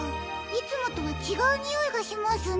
いつもとはちがうにおいがしますね。